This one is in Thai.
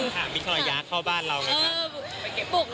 ค่ะมีคนอยากเข้าบ้านเราไงค่ะ